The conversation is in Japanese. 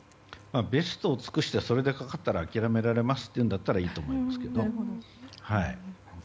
ベストを尽くしてそれでかかったら諦められますというのならいいと思いますけど。